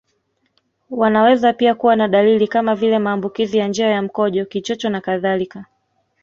Wanaweza pia kuwa na dalili kama vile maambukizi ya njia ya mkojo Kichocho nakadhalika